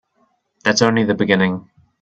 That's only the beginning.